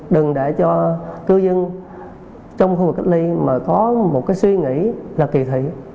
đừng để cho cư dân trong khu vực cách ly mà có một cái suy nghĩ là kỳ thị